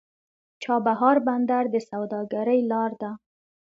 چابهار بندر د سوداګرۍ لار ده.